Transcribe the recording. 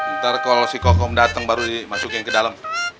ntar kalau si kokong datang baru dimasukin ke dalam